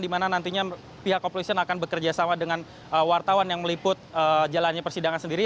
di mana nantinya pihak kepolisian akan bekerja sama dengan wartawan yang meliput jalannya persidangan sendiri